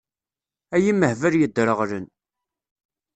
Ay imehbal yedreɣlen!